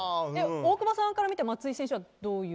大久保さんから見て松井選手はどういう。